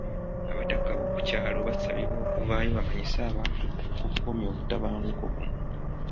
Abataka b'oku byalo basabibwa okuvaayo bamanyise abantu ku okukomya obutabanguko buno.